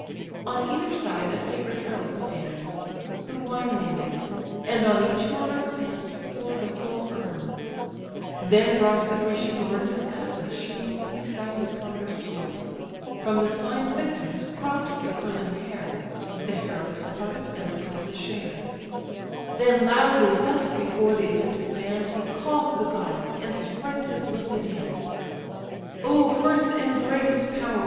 On either side a sacred herald stands, The wine they mix, and on each monarch's hands Pour the full urn; then draws the Grecian lord His cutlass sheathed beside his ponderous sword; From the sign'd victims crops the curling hair; The heralds part it, and the princes share; Then loudly thus before the attentive bands He calls the gods, and spreads his lifted hands: "O first and greatest power!